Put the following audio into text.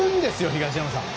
東山さん。